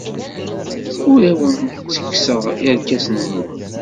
Ur awen-ttekkseɣ irkasen-nwen.